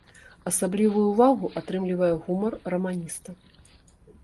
Асаблівую ўвагу атрымлівае гумар раманіста.